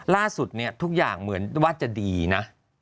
ล่าสุดเนี่ยทุกอย่างเหมือนว่าจะดีนะ